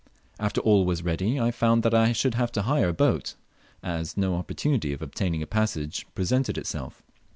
After all was ready I found that I should have to hire a boat, as no opportunity of obtaining a passage presented itself.